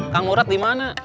kang murad di mana